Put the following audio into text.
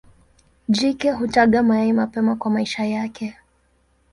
Jike hutaga mayai mapema kwa maisha yake.